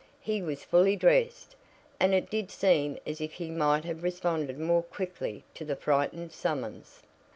He was fully dressed, and it did seem as if he might have responded more quickly to the frightened summons.